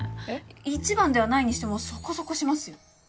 一番ではないにしてもそこそこしますよ。